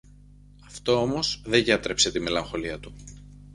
Αυτό όμως δε γιάτρεψε τη μελαγχολία του.